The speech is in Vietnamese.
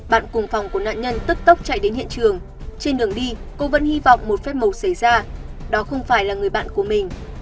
bạn cùng phòng của nạn nhân tức tốc chạy đến hiện trường trên đường đi cô vẫn hy vọng một phép màu xảy ra đó không phải là người bạn của mình